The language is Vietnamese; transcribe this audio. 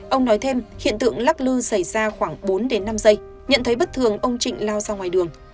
ông nói thêm hiện tượng lắc lư xảy ra khoảng bốn đến năm giây nhận thấy bất thường ông trịnh lao ra ngoài đường